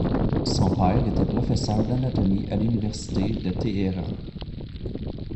Son père était professeur d'anatomie à l'université de Téhéran.